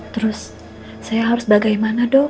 terus saya harus bagaimana dok